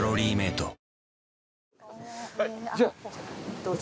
どうぞ。